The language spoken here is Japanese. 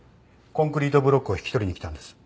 コンクリートブロックを引き取りに来たんです。